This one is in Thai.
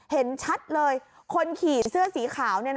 เห็นชัดเลยคนขี่เสื้อสีขาว